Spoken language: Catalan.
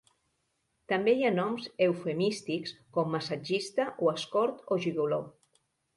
També hi ha noms eufemístics, com massatgista o escort o gigoló.